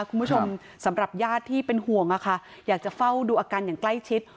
คุณผู้ชมสำหรับญาติที่เป็นห่วงอยากจะเฝ้าดูอาการอย่างใกล้ชิด